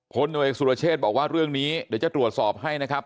หน่วยสุรเชษบอกว่าเรื่องนี้เดี๋ยวจะตรวจสอบให้นะครับ